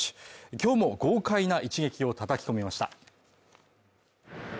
今日も豪快な一撃を叩き込みました。